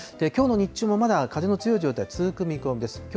きょうの日中もまだ風の強い状態、続く見込みです。